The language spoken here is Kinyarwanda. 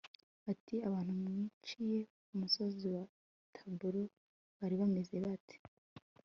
ati abantu mwiciye ku musozi wa taboru bari bameze bate